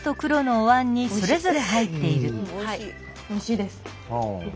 おいしいです。